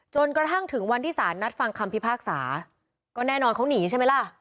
จนกระทั่งถึงวันที่สารนัดฟังคำพิพากษาก็แน่นอนเขาหนีใช่ไหมล่ะ